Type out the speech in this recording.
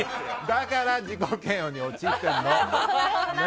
だから自己嫌悪に陥ってるの！